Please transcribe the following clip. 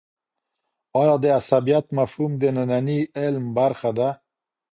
آیا د عصبيت مفهوم د ننني علم برخه ده؟